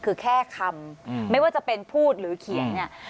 คือแค่คำไม่ว่าจะเป็นพูดหรือเขียนเนี่ย